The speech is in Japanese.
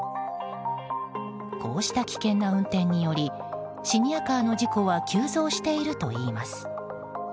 こうした危険な運転によりシニアカーの事故は急増しているといいます。